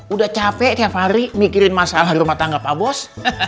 udah capek tiap hari mikirin masalah rumah tangga pak bos